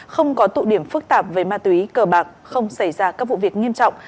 không có tụ điểm phức tạp về ma túy cờ bạc không xảy ra các vụ việc nghiêm trọng